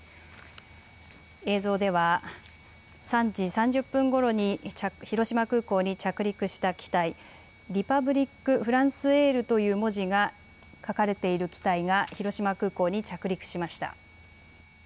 映像では３時３０分ごろに広島空港に着陸した機体、リパブリックフランスエールという文字が書かれている機体が広島空港に着陸しました。